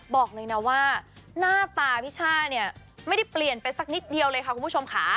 บอกเลยนะว่าหน้าตาพี่ช่าเนี่ยไม่ได้เปลี่ยนไปสักนิดเดียวเลยค่ะคุณผู้ชมค่ะ